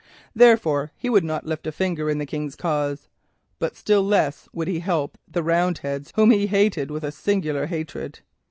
Therefore he would not lift a finger in the King's cause. But still less would he help the Roundheads, whom he hated with a singular hatred.